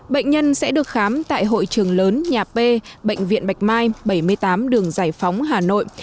bệnh nhân sẽ được khám tại hội trường lớn nhà p bệnh viện bạch mai bảy mươi tám đường giải phóng hà nội